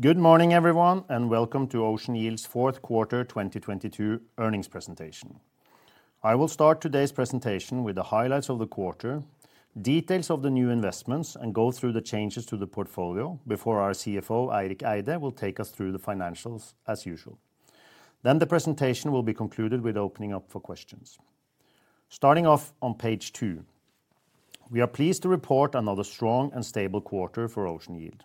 Good morning, everyone, and welcome to Ocean Yield's fourth quarter 2022 earnings presentation. I will start today's presentation with the highlights of the quarter, details of the new investments, and go through the changes to the portfolio before our CFO, Eirik Eide, will take us through the financials as usual. The presentation will be concluded with opening up for questions. Starting off on page two. We are pleased to report another strong and stable quarter for Ocean Yield.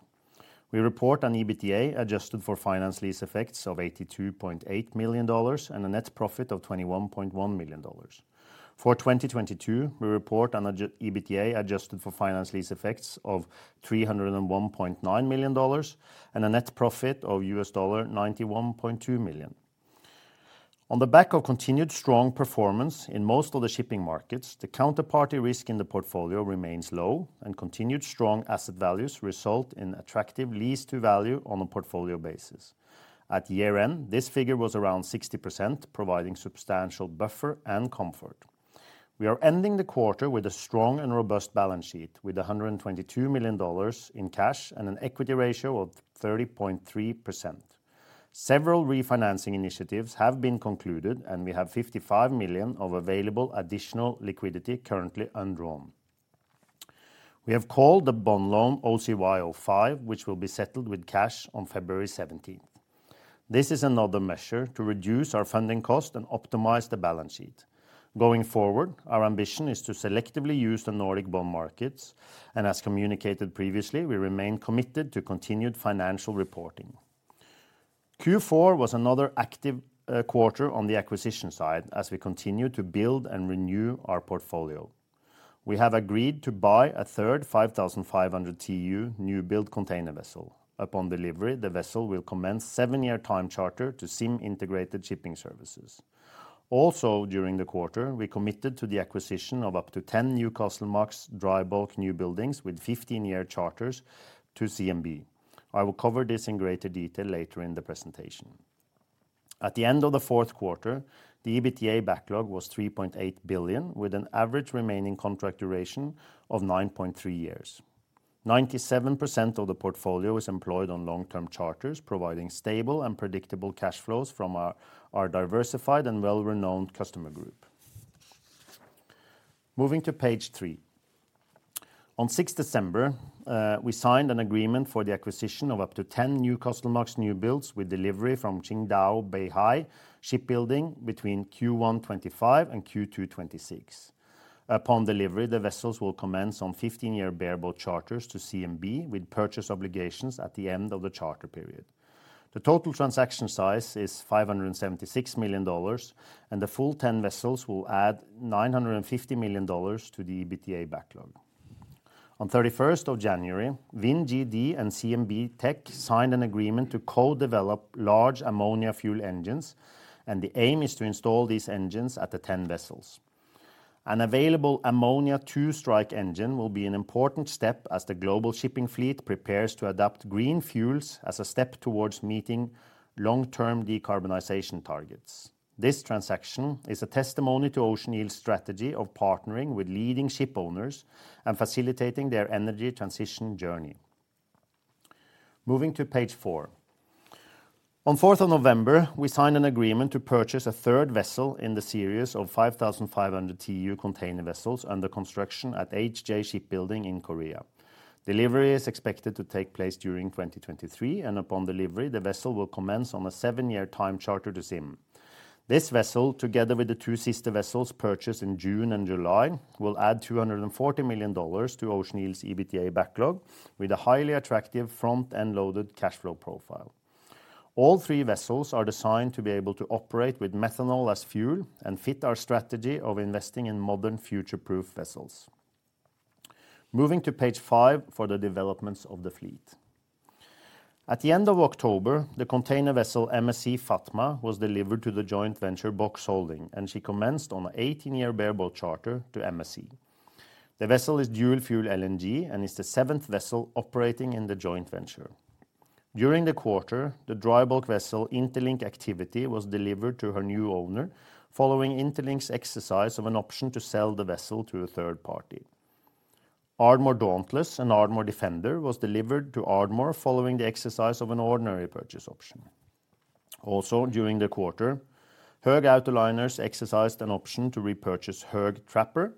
We report an EBITDA adjusted for finance lease effects of $82.8 million and a net profit of $21.1 million. For 2022, we report an EBITDA adjusted for finance lease effects of $301.9 million and a net profit of $91.2 million. On the back of continued strong performance in most of the shipping markets, the counterparty risk in the portfolio remains low, and continued strong asset values result in attractive lease to value on a portfolio basis. At year-end, this figure was around 60%, providing substantial buffer and comfort. We are ending the quarter with a strong and robust balance sheet with $122 million in cash and an equity ratio of 30.3%. Several refinancing initiatives have been concluded, and we have $55 million of available additional liquidity currently undrawn. We have called the bond loan OCY05, which will be settled with cash on February 17th. This is another measure to reduce our funding cost and optimize the balance sheet. Going forward, our ambition is to selectively use the Nordic bond markets. As communicated previously, we remain committed to continued financial reporting. Q4 was another active quarter on the acquisition side as we continue to build and renew our portfolio. We have agreed to buy a 3rd 5,500 TEU new-build container vessel. Upon delivery, the vessel will commence seven-year time charter to ZIM Integrated Shipping Services. Also, during the quarter, we committed to the acquisition of up to 10 Newcastlemax dry bulk new buildings with 15-year charters to CMB. I will cover this in greater detail later in the presentation. At the end of the fourth quarter, the EBITDA backlog was $3.8 billion, with an average remaining contract duration of 9.3 years. 97% of the portfolio is employed on long-term charters, providing stable and predictable cash flows from our diversified and well-renowned customer group. Moving to page three. On 6th December, we signed an agreement for the acquisition of up to 10 Newcastlemax new builds with delivery from Qingdao Beihai Shipbuilding between Q1 2025 and Q2 2026. Upon delivery, the vessels will commence on 15-year bareboat charters to CMB with purchase obligations at the end of the charter period. The total transaction size is $576 million, the full 10 vessels will add $950 million to the EBITDA backlog. On 31st of January, WinGD and CMB.TECH signed an agreement to co-develop large ammonia fuel engines, the aim is to install these engines at the 10 vessels. An available ammonia two-stroke engine will be an important step as the global shipping fleet prepares to adopt green fuels as a step towards meeting long-term decarbonization targets. This transaction is a testimony to Ocean Yield's strategy of partnering with leading ship owners and facilitating their energy transition journey. Moving to page four. On fourth of November, we signed an agreement to purchase a third vessel in the series of 5,500 TEU container vessels under construction at HJ Shipbuilding in Korea. Delivery is expected to take place during 2023. Upon delivery, the vessel will commence on a seven-year time charter to ZIM. This vessel, together with the two sister vessels purchased in June and July, will add $240 million to Ocean Yield's EBITDA backlog with a highly attractive front-end loaded cash flow profile. All thre vessels are designed to be able to operate with methanol as fuel and fit our strategy of investing in modern future-proof vessels. Moving to page page for the developments of the fleet. At the end of October, the container vessel MSC Fatma was delivered to the joint venture Boxholding. She commenced on an 18-year bareboat charter to MSC. The vessel is dual fuel LNG and is the seventh vessel operating in the joint venture. During the quarter, the dry bulk vessel Interlink Activity was delivered to her new owner following Interlink's exercise of an option to sell the vessel to a third party. Ardmore Dauntless and Ardmore Defender was delivered to Ardmore following the exercise of an ordinary purchase option. During the quarter, Höegh Autoliners exercised an option to repurchase Höegh Trapper.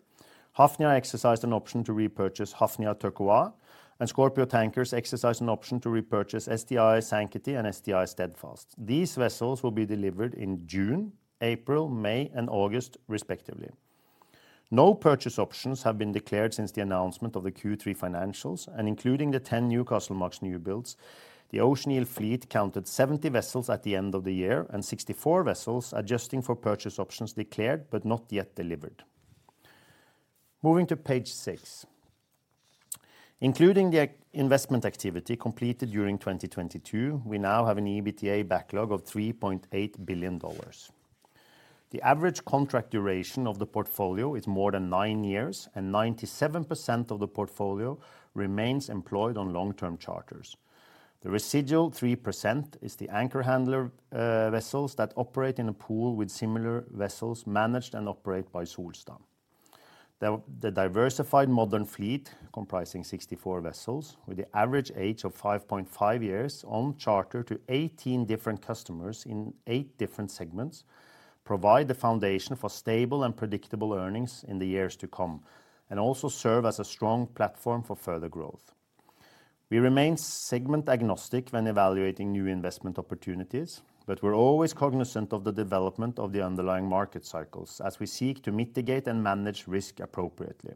Hafnia exercised an option to repurchase Hafnia Turquoise. Scorpio Tankers exercised an option to repurchase STI Sankaty and STI Steadfast. These vessels will be delivered in June, April, May, and August, respectively. No purchase options have been declared since the announcement of the Q3 financials, including the 10 Newcastlemax new builds, the Ocean Yield fleet counted 70 vessels at the end of the year and 64 vessels adjusting for purchase options declared but not yet delivered. Moving to page six. Including the investment activity completed during 2022, we now have an EBITDA backlog of $3.8 billion. The average contract duration of the portfolio is more than nine years, 97% of the portfolio remains employed on long-term charters. The residual 3% is the anchor handler vessels that operate in a pool with similar vessels managed and operated by Solstad. The diversified modern fleet comprising 64 vessels with the average age of 5.5 years on charter to 18 different customers in eight different segments provide the foundation for stable and predictable earnings in the years to come, also serve as a strong platform for further growth. We remain segment agnostic when evaluating new investment opportunities, we're always cognizant of the development of the underlying market cycles as we seek to mitigate and manage risk appropriately.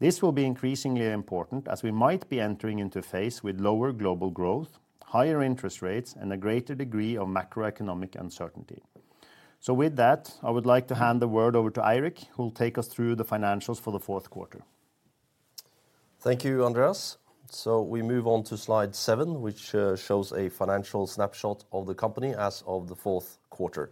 This will be increasingly important as we might be entering into a phase with lower global growth, higher interest rates, and a greater degree of macroeconomic uncertainty. With that, I would like to hand the word over to Eirik, who will take us through the financials for the fourth quarter. Thank you, Andreas. We move on to slide seven, which shows a financial snapshot of the company as of the fourth quarter.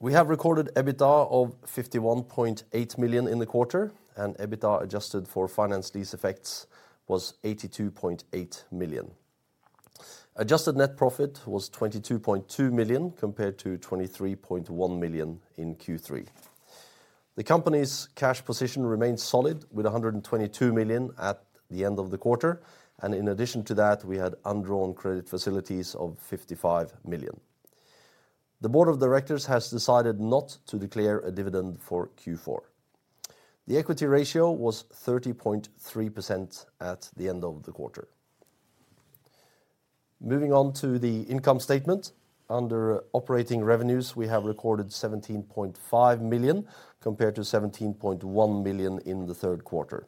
We have recorded EBITDA of $51.8 million in the quarter, and EBITDA adjusted for finance lease effects was $82.8 million. Adjusted net profit was $22.2 million compared to $23.1 million in Q three. The company's cash position remains solid with $122 million at the end of the quarter, and in addition to that, we had undrawn credit facilities of $55 million. The board of directors has decided not to declare a dividend for Q four. The equity ratio was 30.3% at the end of the quarter. Moving on to the income statement. Under operating revenues, we have recorded $17.5 million compared to $17.1 million in the third quarter.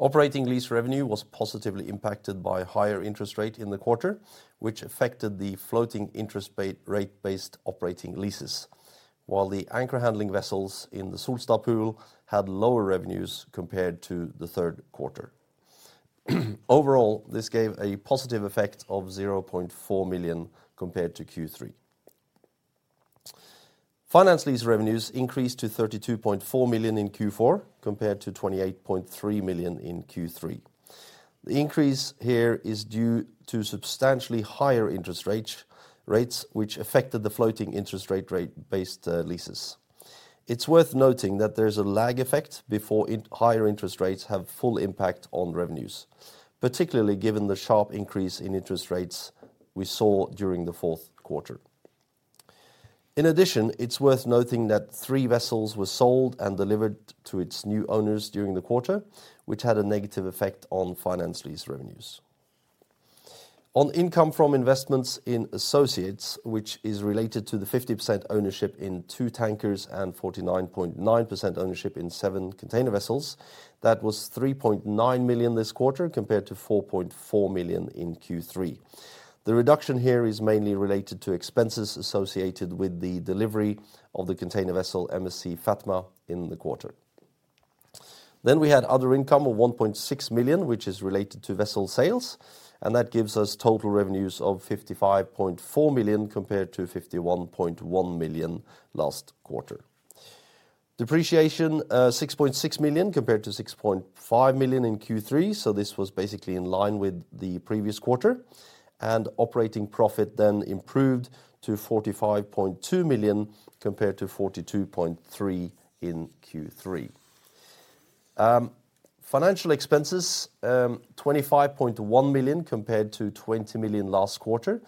Operating lease revenue was positively impacted by higher interest rate in the quarter, which affected the floating interest rate based operating leases, while the anchor handling vessels in the Solstad pool had lower revenues compared to third quarter. Overall, this gave a positive effect of $0.4 million compared to Q3. Finance lease revenues increased to $32.4 million in Q4 compared to $28.3 million in Q3. The increase here is due to substantially higher interest rates which affected the floating interest rate-based leases. It's worth noting that there's a lag effect before higher interest rates have full impact on revenues, particularly given the sharp increase in interest rates we saw during fourth quarter. In addition, it's worth noting that three vessels were sold and delivered to its new owners during the quarter, which had a negative effect on finance lease revenues. On income from investments in associates, which is related to the 50% ownership in two tankers and 49.9% ownership in seven container vessels, that was $3.9 million this quarter, compared to $4.4 million in Q3. The reduction here is mainly related to expenses associated with the delivery of the container vessel MSC Fatma in the quarter. We had other income of $1.6 million, which is related to vessel sales, and that gives us total revenues of $55.4 million compared to $51.1 million last quarter. Depreciation, $6.6 million compared to $6.5 million in Q3, this was basically in line with the previous quarter. Operating profit improved to $45.2 million compared to $42.3 million in Q3. Financial expenses, $25.1 million compared to $20 million last quarter.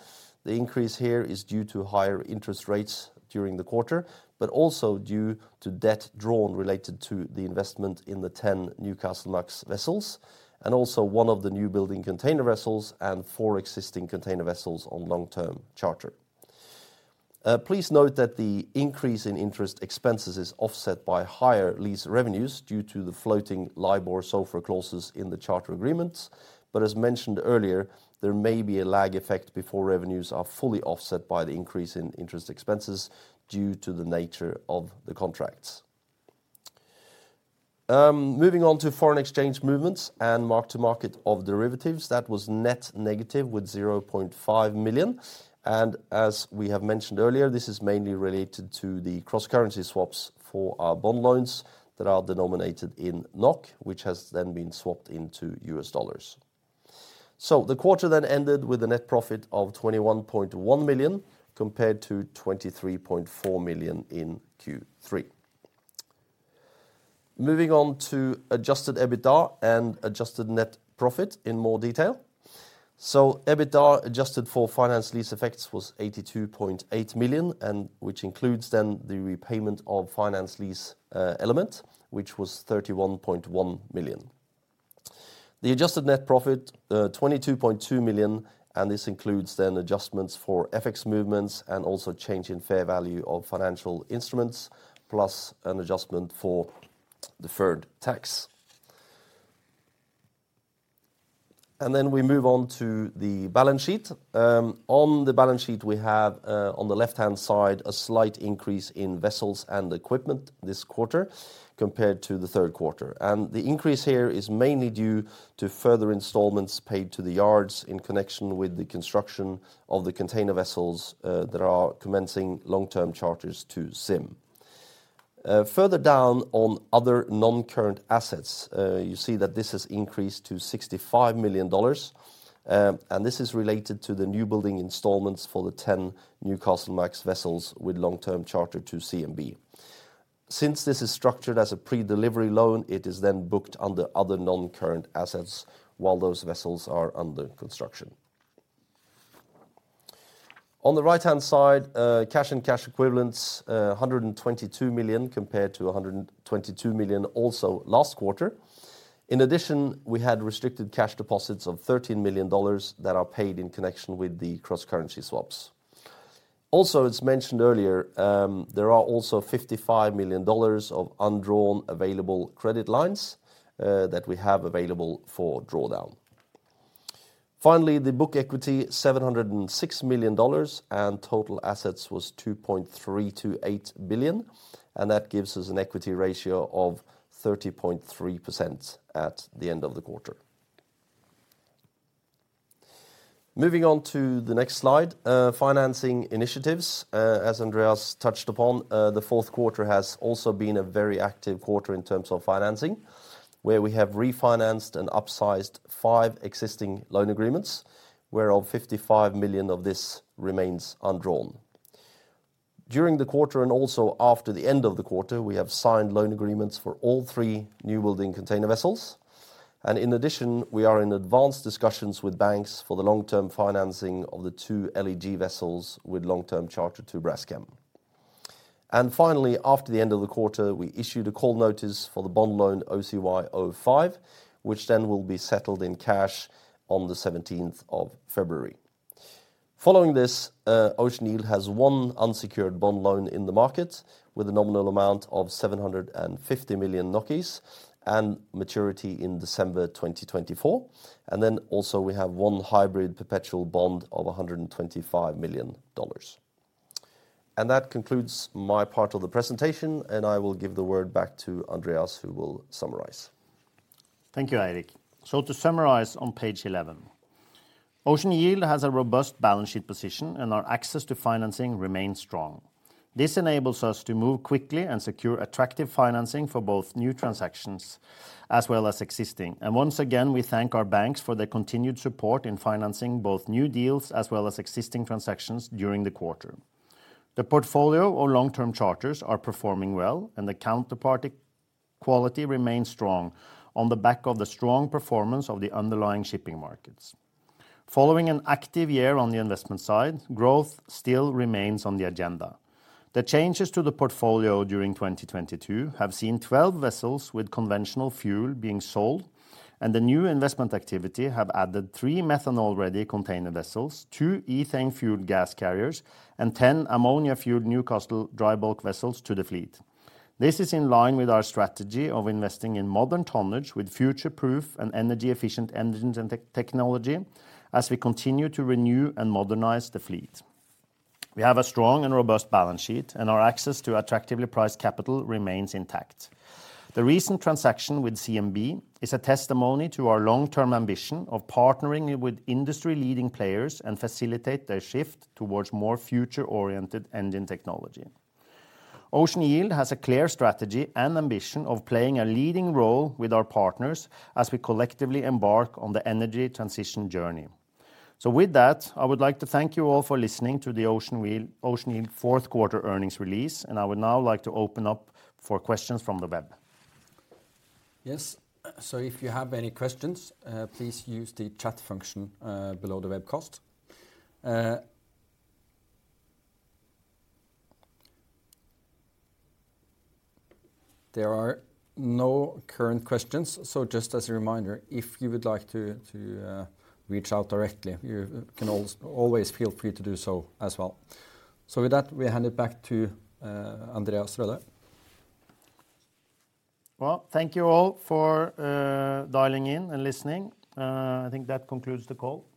The increase here is due to higher interest rates during the quarter, but also due to debt drawn related to the investment in the 10 Newcastlemax vessels, and also one of the new building container vessels and four existing container vessels on long-term charter. Please note that the increase in interest expenses is offset by higher lease revenues due to the floating LIBOR SOFR clauses in the charter agreements. As mentioned earlier, there may be a lag effect before revenues are fully offset by the increase in interest expenses due to the nature of the contracts. Moving on to foreign exchange movements and mark to market of derivatives, that was net negative with $0.5 million. As we have mentioned earlier, this is mainly related to the cross-currency swaps for our bond loans that are denominated in NOK, which has then been swapped into US dollars. The quarter then ended with a net profit of $21.1 million compared to $23.4 million in Q3. Moving on to adjusted EBITDA and adjusted net profit in more detail. EBITDA, adjusted for finance lease effects, was $82.8 million, which includes the repayment of finance lease element, which was $31.1 million. The adjusted net profit, $22.2 million. This includes then adjustments for FX movements and also change in fair value of financial instruments, plus an adjustment for deferred tax. We move on to the balance sheet. On the balance sheet we have, on the left-hand side, a slight increase in vessels and equipment this quarter compared to the third quarter. The increase here is mainly due to further installments paid to the yards in connection with the construction of the container vessels that are commencing long-term charters to ZIM. Further down on other non-current assets, you see that this has increased to $65 million, and this is related to the new building installments for the 10 Newcastlemax vessels with long-term charter to CMB. Since this is structured as a pre-delivery loan, it is then booked under other non-current assets while those vessels are under construction. On the right-hand side, cash and cash equivalents, $122 million compared to $122 million also last quarter. In addition, we had restricted cash deposits of $13 million that are paid in connection with the cross-currency swaps. Also, as mentioned earlier, there are also $55 million of undrawn available credit lines that we have available for drawdown. Finally, the book equity, $706 million, total assets was $2.328 billion, that gives us an equity ratio of 30.3% at the end of the quarter. Moving on to the next slide, financing initiatives. As Andreas touched upon, the fourth quarter has also been a very active quarter in terms of financing, where we have refinanced and upsized five existing loan agreements, where of $55 million of this remains undrawn. During the quarter and also after the end of the quarter, we have signed loan agreements for all three newbuilding container vessels. In addition, we are in advanced discussions with banks for the long-term financing of the two LEG vessels with long-term charter to Braskem. Finally, after the end of the quarter, we issued a call notice for the bond loan OCY05, which will be settled in cash on the 17th of February. Following this, Ocean Yield has one unsecured bond loan in the market with a nominal amount of 750 million and maturity in December 2024. Also we have one hybrid perpetual bond of $125 million. That concludes my part of the presentation, and I will give the word back to Andreas, who will summarize. Thank you, Eirik. To summarize on page 11, Ocean Yield has a robust balance sheet position and our access to financing remains strong. This enables us to move quickly and secure attractive financing for both new transactions as well as existing. Once again, we thank our banks for their continued support in financing both new deals as well as existing transactions during the quarter. The portfolio or long-term charters are performing well and the counterparty quality remains strong on the back of the strong performance of the underlying shipping markets. Following an active year on the investment side, growth still remains on the agenda. The changes to the portfolio during 2022 have seen 12 vessels with conventional fuel being sold, and the new investment activity have added three methanol-ready container vessels, two ethane-fueled gas carriers, and 10 ammonia-fueled Newcastle dry bulk vessels to the fleet. This is in line with our strategy of investing in modern tonnage with future-proof and energy-efficient engines and technology as we continue to renew and modernize the fleet. We have a strong and robust balance sheet, and our access to attractively priced capital remains intact. The recent transaction with CMB is a testimony to our long-term ambition of partnering with industry leading players and facilitate their shift towards more future-oriented engine technology. Ocean Yield has a clear strategy and ambition of playing a leading role with our partners as we collectively embark on the energy transition journey. With that, I would like to thank you all for listening to the Ocean Yield fourth quarter earnings release, and I would now like to open up for questions from the web. Yes. If you have any questions, please use the chat function below the webcast. There are no current questions. Just as a reminder, if you would like to reach out directly, you can always feel free to do so as well. With that, we hand it back to Andreas Røde. Well, thank you all for dialing in and listening. I think that concludes the call.